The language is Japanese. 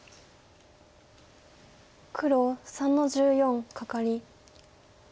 黒３の十四カカリ。